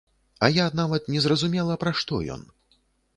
А я нават не зразумела, пра што ён!